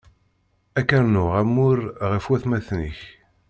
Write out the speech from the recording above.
Ad k-rnuɣ amur ɣef watmaten-ik.